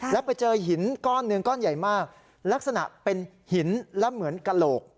แล้วไปเจอหินก้อนหนึ่งก้อนใหญ่มากลักษณะเป็นหินและเหมือนกระโหลก